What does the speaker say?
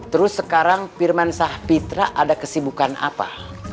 terus sekarang pirman sahpitra ada kesibukan apa